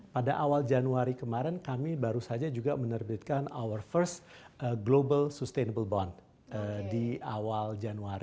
pada awal januari kemarin kami baru saja juga menerbitkan our first global sustainable bond di awal januari